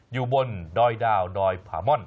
อยู่บนดอยดาวดอยผาม่อน